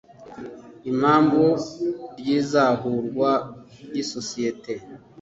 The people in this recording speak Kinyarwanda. impamvu ry’izahurwa ry’isosiyete